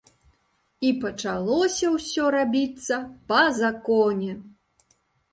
І пачалося ўсё рабіцца па законе.